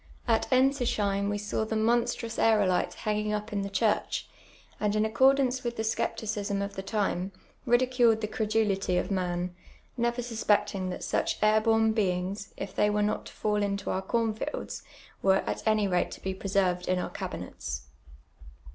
At Knsislieim we saw the monstrotis aerolite h:Inii:in^' up in the chiireli, and in accordance with the scepticism of the time, ridiculed the credulity of man, never susix'cting tliat such air born IxinLTs, if they were not to fall into our corn fields, were at any rate to be presi rved in our cabinets.